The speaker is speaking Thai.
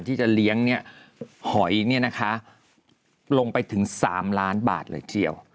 ที่จะเลี้ยงเนี่ยหอยเนี่ยนะคะลงไปถึงสามล้านบาทเลยทีเดียว